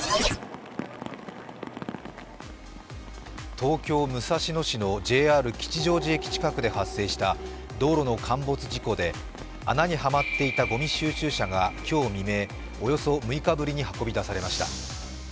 東京・武蔵野市のＪＲ吉祥寺駅近くで発生した道路の陥没事故で、穴にはまっていたごみ収集車が今日未明、およそ６日ぶりに運び出されました。